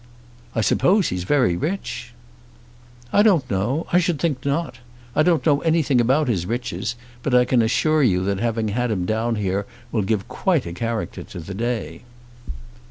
"I suppose he's very rich." "I don't know. I should think not. I don't know anything about his riches, but I can assure you that having had him down here will quite give a character to the day."